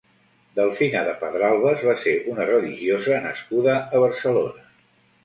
Delfina de Pedralbes va ser una religiosa nascuda a Barcelona.